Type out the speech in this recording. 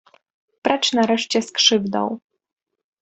Precz nareszcie z krzywdą!